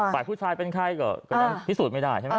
ฝ่ายผู้ชายเป็นใครก็ยังพิสูจน์ไม่ได้ใช่ไหม